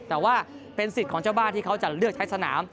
แต่ว่าเป็นสิทธิ์ของเจ้าบ้านที่เขาจะเลือกใช้สนาม